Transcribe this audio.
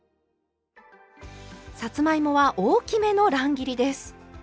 さつまいもは大きめの乱切りです。